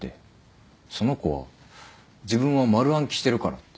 その子は自分は丸暗記してるからって。